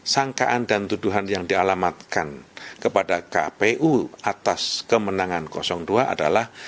sangkaan dan tuduhan yang dialamatkan kepada kpu atas kemenangan dua adalah